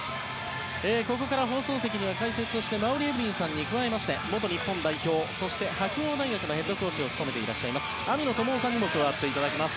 ここから放送席には解説として馬瓜エブリンさんに加えまして元日本代表、そして白鴎大学のヘッドコーチを務めていらっしゃいます網野友雄さんにも加わっていただきます。